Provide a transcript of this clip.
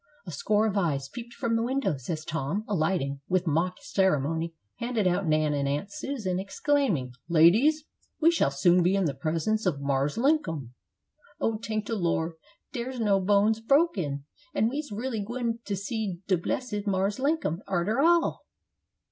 A score of eyes peeped from the windows as Tom, alighting, with mock ceremony handed out Nan and Aunt Susan, exclaiming, "Ladies, we shall soon be in the presence of 'Marse Linkum.'" "Oh, tank de Lor', dar's no bones broken! and we's really gwine to see de blessed Marse Linkum, arter all!"